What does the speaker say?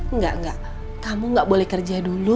enggak enggak kamu gak boleh kerja dulu